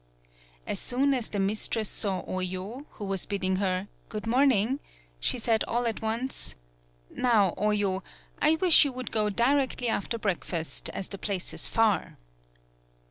As soon as the mistress saw Oyo, who was bidding her "Good morning," she said all at once : "Now, Oyo, I wish you would go directly after breakfast, as the place is far."